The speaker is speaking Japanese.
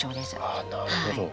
ああなるほど。